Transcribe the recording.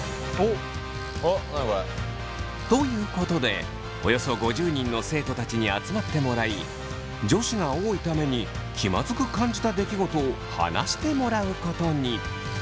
ということでおよそ５０人の生徒たちに集まってもらい女子が多いために気まずく感じた出来事を話してもらうことに。